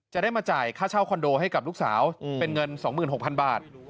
จะได้มาจ่ายค่าเช่าคอนโดให้กับลูกสาวเป็นเงินสองหมื่นหกพันบาท